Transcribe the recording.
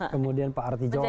kemudian pak arti jawa